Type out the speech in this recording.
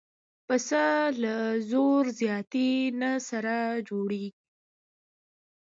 پسه له زور زیاتي سره نه جوړېږي.